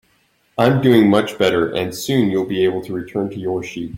I'm doing much better, and soon you'll be able to return to your sheep.